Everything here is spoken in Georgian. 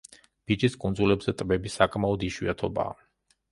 ფიჯის კუნძულებზე ტბები საკმაო იშვიათობაა.